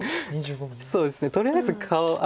そうですねとりあえず相手の顔は。